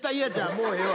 もうええわ。